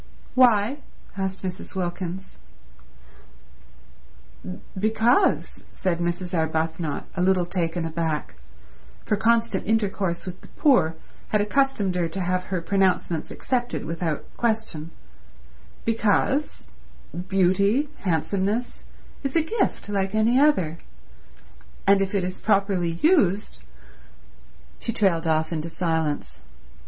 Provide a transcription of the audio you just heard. "Why?" asked Mrs. Wilkins. "Because," said Mrs. Arbuthnot, a little taken aback, for constant intercourse with the poor had accustomed her to have her pronouncements accepted without question, "because beauty—handsomeness— is a gift like any other, and if it is properly used—" She trailed off into silence.